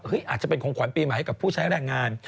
มีบางร่วมขวัญปลีใหม่กับผู้ใช้แรงงาน